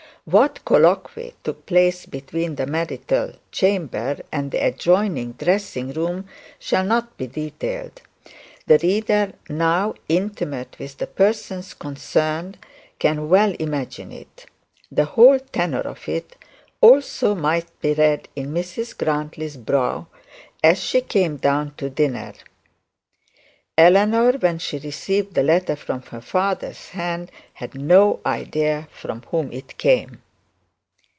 What colloquy took place between the marital chamber and the adjoining dressing room shall not be detailed. The reader, now intimate with the persons concerned, can well imagine it. The whole tenor of it also might be read in Mrs Grantly's brow as she came down to dinner. Eleanor, when she received the letter from her father's hand, had no idea from whom it came.